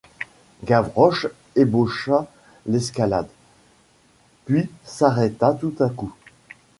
Gavroche ébaucha l’escalade, puis s’arrêta tout à coup.